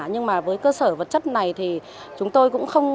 nhưng mà với cơ sở vật chất này thì chúng tôi cũng không